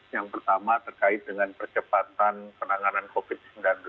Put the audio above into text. yang pertama terkait dengan percepatan penanganan covid sembilan belas